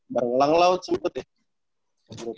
barang elang laut sempet ya